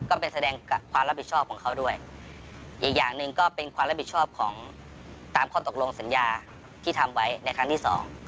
ก็ไปแสดงความรับผิดชอบของเขาด้วยอีกอย่างหนึ่งก็เป็นความรับผิดชอบของตามข้อตกลงสัญญาที่ทำไว้ในครั้งที่สอง